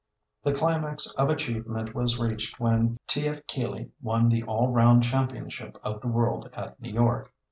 The climax of achievement was reached when T.F. Kiely won the all round championship of the world at New York.